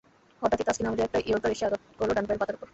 হঠাৎই তাসকিন আহমেদের একটা ইয়র্কার এসে আঘাত করল ডান পায়ের পাতার ওপর।